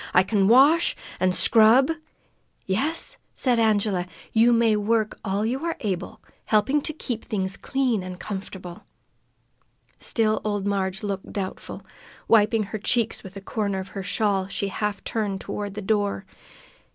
"I can wash, an' scrub " "Yes," said Angela, "you may work all you are able, helping to keep things clean and comfortable." Still old Marg looked doubtful. Wiping her cheeks with a corner of the shawl, she half turned toward the door.